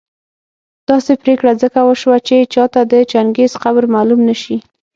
داسي پرېکړه ځکه وسوه چي چاته د چنګېز قبر معلوم نه شي